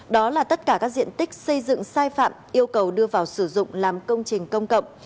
đó là tất cả các diện tích xây dựng sai phạm yêu cầu đưa vào sử dụng làm công trình công cộng